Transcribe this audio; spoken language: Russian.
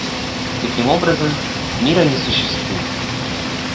Таким образом, мира не существует.